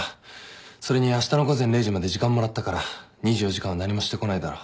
それにあしたの午前０時まで時間もらったから２４時間は何もしてこないだろ。